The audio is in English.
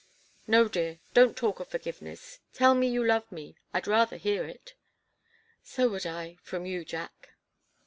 "No, dear don't talk of forgiveness. Tell me you love me I'd rather hear it." "So would I from you, Jack!"